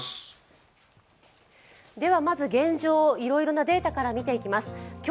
まず現状、いろいろなデータから見ていきます。